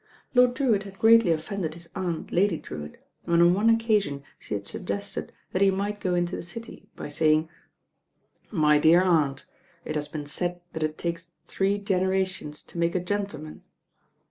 Lord Drewitt had greatly offended his aunt, Lady Drewitt, when on one occasion she had suggested that he might go into the city, by saying, "My dear aunt. It has been said that it takes three generations to make a gentleman.